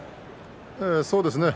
そうですね。